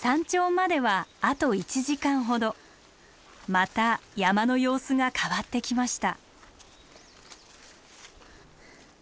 また山の様子が変わってきました。